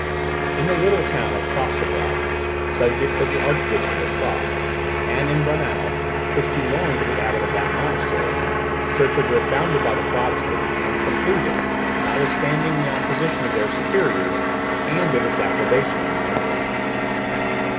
In the little town of Klostergrab, subject to the Archbishop of Prague; and in Braunau, which belonged to the abbot of that monastery, churches were founded by the Protestants, and completed notwithstanding the opposition of their superiors, and the disapprobation of the Emperor.